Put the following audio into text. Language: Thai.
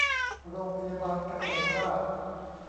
โรงพยาบาลเกษมราษฎร์